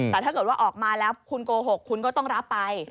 แต่ถ้าเกิดว่าออกมาแล้วคุณโกหกคุณก็ต้องรับไป